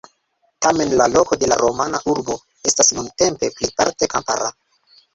Tamen, la loko de la romana urbo estas nuntempe plejparte kampara.